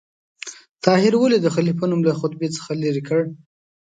طاهر ولې د خلیفه نوم له خطبې څخه لرې کړ؟